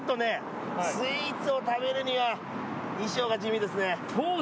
スイーツを食べるには衣装が地味ですね。